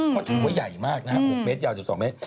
เพราะถือว่าใหญ่มาก๖เมตรยาว๑๒เมตร